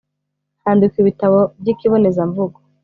handikwa ibitabo by’ikibonezamvugo